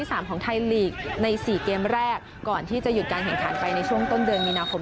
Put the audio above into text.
สามของไทยลีกในสี่เกมแรกก่อนที่จะหยุดการแข่งขันไปในช่วงต้นเดือนมีนาคม